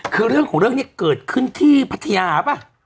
คือเรื่องของเรื่องนี้เกิดขึ้นที่พัทยาป่ะ